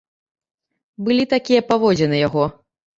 Былі такія паводзіны яго.